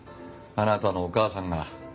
あなたのお母さんが。